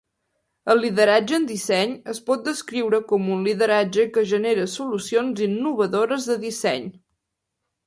El lideratge en disseny es pot descriure com un lideratge que genera solucions innovadores de disseny.